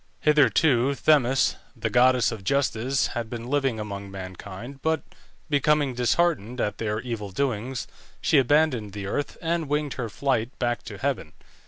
Hitherto Themis, the goddess of Justice, had been living among mankind, but becoming disheartened at their evil doings, she abandoned the earth, and winged her flight back to heaven.